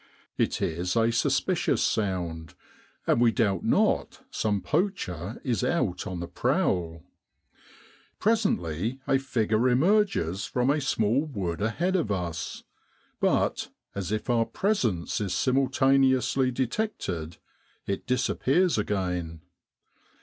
It is a suspicious sound^ and we doubt not some poacher is out upon the prowl. Presently a figure emerges from a small wood ahead of us, but, as if our presence is simultaneously detected, it disappears again.